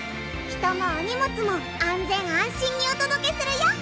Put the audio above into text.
人もお荷物も安全・安心におとどけするよ